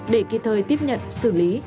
để kịp thời tiếp nhận xử lý